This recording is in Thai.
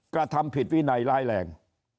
กระทำผิดวินัยร้ายแรง